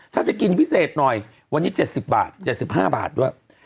ถ้าจะกินพิเศษหน่อยวันนี้๗๐บาท๗๕บาทด้วย